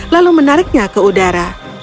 lalu menariknya ke udara